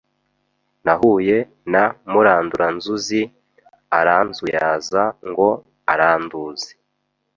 Nahuye na muranduranzuzi Aranzuyaza ngo aranduzi